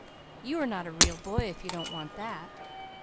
You are not a real boy if you don't want that!"